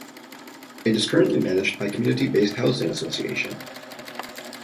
It is currently managed by Community-based Housing Association.